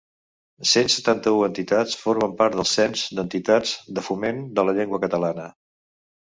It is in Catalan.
Cent setanta-u entitats formen part del cens d’entitats de foment de la llengua catalana.